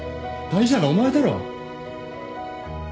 大事なのはお前だろ。